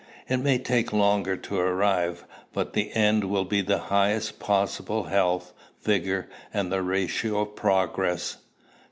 It may take longer to arrive; but the end will be the highest possible health, vigor, and ratio of progress.